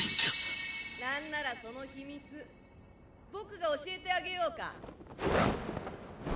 なんならその秘密僕が教えてあげようか？